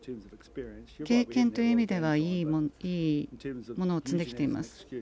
経験という意味ではいいものを積んできています。